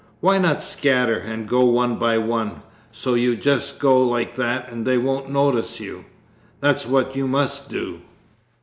'Why not scatter, and go one by one? So you just go like that and they won't notice you. That's what you must do.'